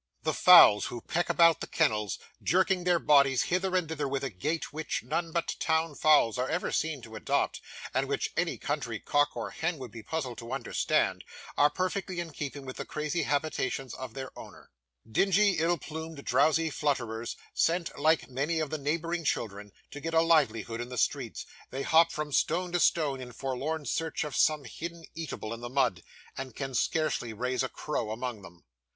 The fowls who peck about the kennels, jerking their bodies hither and thither with a gait which none but town fowls are ever seen to adopt, and which any country cock or hen would be puzzled to understand, are perfectly in keeping with the crazy habitations of their owners. Dingy, ill plumed, drowsy flutterers, sent, like many of the neighbouring children, to get a livelihood in the streets, they hop, from stone to stone, in forlorn search of some hidden eatable in the mud, and can scarcely raise a crow among them.